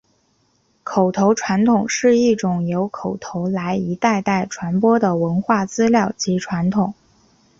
口头传统是一种由口头来一代代传播的文化资料及传统。